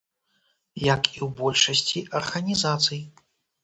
Як і ў большасці арганізацый.